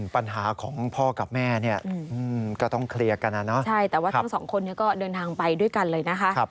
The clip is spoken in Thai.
ปัญหาของพ่อกับแม่เนี่ยก็ต้องเคลียร์กันนะเนาะใช่แต่ว่าทั้งสองคนนี้ก็เดินทางไปด้วยกันเลยนะคะ